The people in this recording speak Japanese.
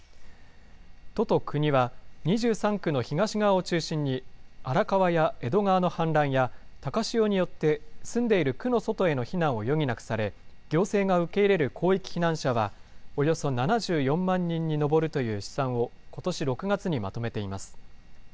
都と国は、２３区の東側を中心に、荒川や江戸川の氾濫や高潮によって住んでいる区の外への避難を余儀なくされ、行政が受け入れる広域避難者はおよそ７４万人に上るという試算をことし６月にまとめています。